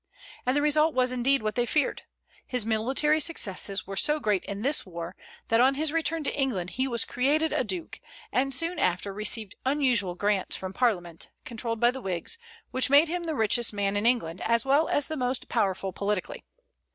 And the result was indeed what they feared. His military successes were so great in this war that on his return to England he was created a duke, and soon after received unusual grants from Parliament, controlled by the Whigs, which made him the richest man in England as well as the most powerful politically.